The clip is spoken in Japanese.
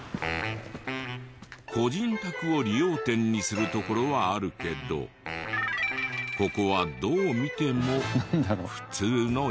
個人宅を理容店にするところはあるけどここはどう見ても普通の家。